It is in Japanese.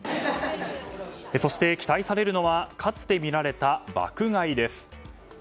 そして、期待されるのはかつて見られた爆買いです。